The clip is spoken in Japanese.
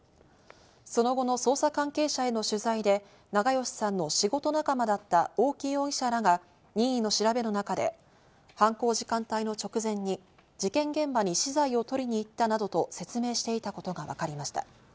その後の捜査関係者への取材で、長葭さんの仕事仲間だった大木容疑者らが任意の調べの中で、犯行時間帯の直前に事件現場に資材を取りに行ったなどと説明していたことがわかりました。